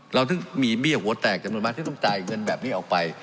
ถึงมีเบี้ยหัวแตกจำนวนมากที่ต้องจ่ายเงินแบบนี้ออกไป